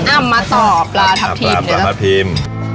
เอามาต่อปลาทับทีม